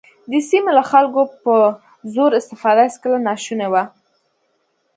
د سیمې له خلکو په زور استفاده هېڅکله ناشونې وه.